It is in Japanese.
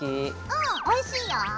うんおいしいよ！